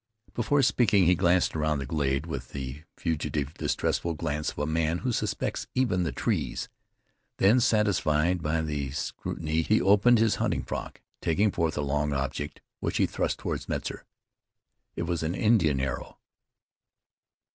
Before speaking he glanced around the glade with the fugitive, distrustful glance of a man who suspects even the trees. Then, satisfied by the scrutiny he opened his hunting frock, taking forth a long object which he thrust toward Metzar. It was an Indian arrow.